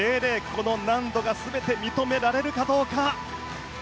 この難度が全て認められるかどうか。